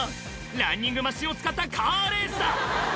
ランニングマシンを使ったカーレースだ！